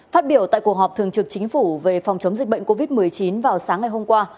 phát biểu tại cuộc họp thường trực chính phủ về phòng chống dịch bệnh covid một mươi chín vào sáng ngày hôm qua